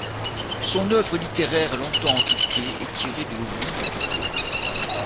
Son œuvre littéraire, longtemps occultée, est tirée de l'oubli depuis peu.